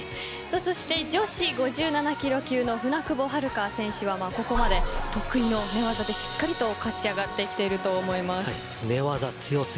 そして、女子５７ｋｇ級の舟久保遥香選手はここまで得意の寝技でしっかり勝ち上がってきていると思います。